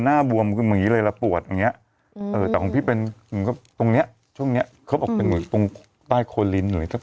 หน้าบวมอย่างนี้เลยแล้วปวดอย่างนี้แต่ของพี่เป็นตรงนี้ช่วงนี้เขาบอกเป็นตรงใต้โคลินเลย